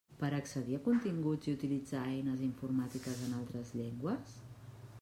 Per accedir a continguts i utilitzar eines informàtiques en altres llengües?